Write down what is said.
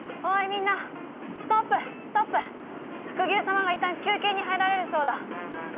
みんなストップストップ白牛様がいったん休憩に入られるそうだ